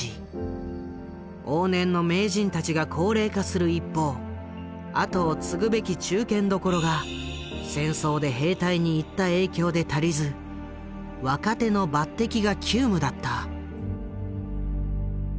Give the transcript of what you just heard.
往年の名人たちが高齢化する一方あとを継ぐべき中堅どころが戦争で兵隊に行った影響で足りず若手の抜擢が急務だった。